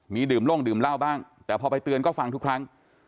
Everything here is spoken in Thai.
มีดื่มลงดื่มเหล้าบ้างแต่พอไปเตือนก็ฟังทุกครั้ง